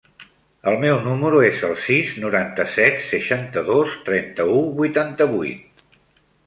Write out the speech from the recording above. El meu número es el sis, noranta-set, seixanta-dos, trenta-u, vuitanta-vuit.